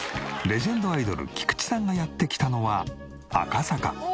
レジェンドアイドル菊池さんがやって来たのは赤坂。